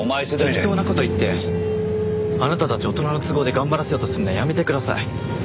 適当な事言ってあなたたち大人の都合で頑張らせようとするのはやめてください。